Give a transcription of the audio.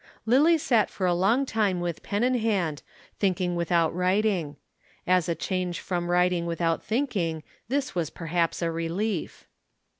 Lillie sat for a long time with pen in hand, thinking without writing. As a change from writing without thinking this was perhaps a relief.